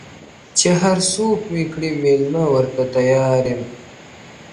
چي هر څوک مي کړي مېلمه ورته تیار یم،